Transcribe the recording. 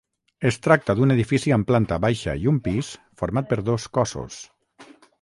Es tracta d'un edifici amb planta baixa i un pis format per dos cossos.